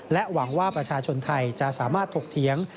หวังว่าประชาชนไทยจะสามารถถกเถียง